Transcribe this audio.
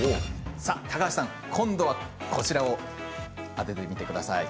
高橋さん今度はこちらを当ててみてください。